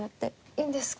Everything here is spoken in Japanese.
いいんですか？